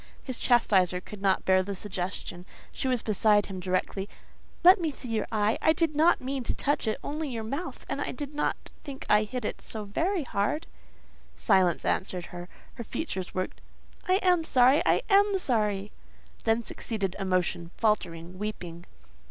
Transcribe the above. His chastiser could not bear the suggestion. She was beside him directly. "Let me see your eye: I did not mean to touch it, only your mouth; and I did not think I hit so very hard." Silence answered her. Her features worked,—"I am sorry; I am sorry!" Then succeeded emotion, faltering; weeping.